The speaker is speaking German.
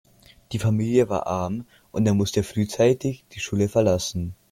Die Familie war arm und er musste frühzeitig die Schule verlassen.